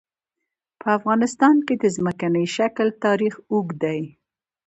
په افغانستان کې د ځمکنی شکل تاریخ اوږد دی.